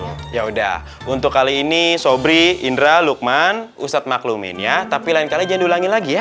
ya udah untuk kali ini sobri indra lukman ustadz maklumin ya tapi lain kali jangan diulangi lagi ya